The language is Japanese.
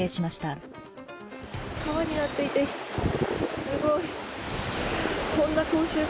川になっていてすごい。